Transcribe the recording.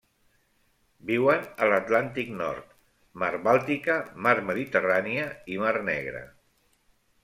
Viuen a l'Atlàntic Nord, Mar Bàltica, Mar Mediterrània i Mar Negra.